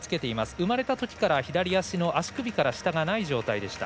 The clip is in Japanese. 生まれたときから左足の足首から下がない状態でした。